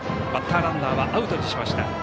バッターランナーはアウトにしました。